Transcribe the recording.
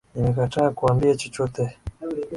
Nimekataa kuwaambia chochote